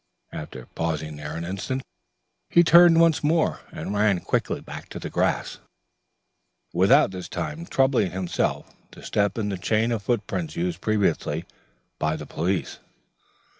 After pausing there an instant, he turned once more, and ran quickly back to the grass, without this time troubling himself to step in the chain of footprints used previously by the police.